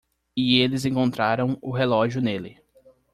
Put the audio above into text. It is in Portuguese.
E eles encontraram o relógio nele.